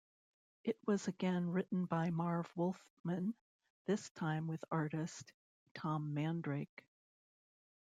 It was again written by Marv Wolfman, this time with artist Tom Mandrake.